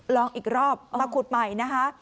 ลองอีกรอบมาขุดใหม่นะคะ